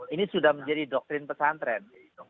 ini sudah menjadi doktrin pesantren